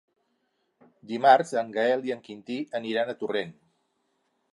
Dimarts en Gaël i en Quintí aniran a Torrent.